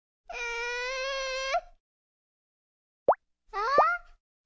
あっ！